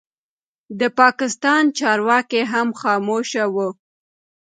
د پاکستان چارواکي هم خاموشه وو.